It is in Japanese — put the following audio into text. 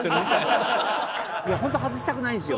ホント外したくないんですよ。